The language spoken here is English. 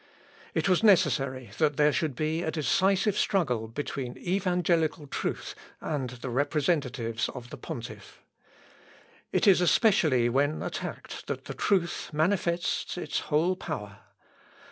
It was necessary that there should be a decisive struggle between evangelical truth and the representatives of the pontiff. It is especially when attacked that the truth manifests its whole power.